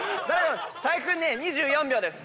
木君２４秒です。